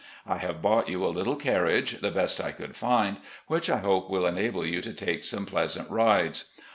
I have bought you a little carriage, the best I could find, which I hope will enable you to take some pleasant rides.